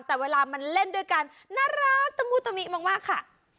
แต่เวลามันเล่นด้วยกันน่ารักตะมุตมิมากค่ะ